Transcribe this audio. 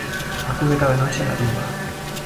Acude cada noche a la tumba.